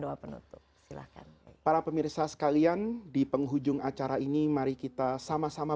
doa penutup silakan para pemirsa sekalian di penghujung acara ini mari kita sama sama